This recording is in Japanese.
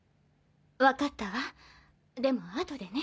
分かったわでも後でね。